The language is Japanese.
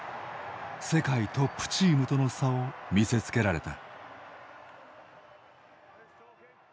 世界トップチームとの差を見せつけられた。